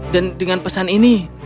dan dengan pesan ini